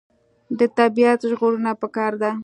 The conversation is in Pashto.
د طبیعت ژغورنه پکار ده.